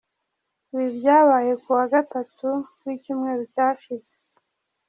Ibi byabaye ku wa gatatu w’icyumweru cyashize.